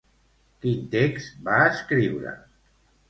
Quin text va escriure?